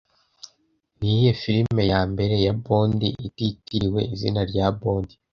Niyihe filime ya mbere ya Bond ititiriwe izina rya Bond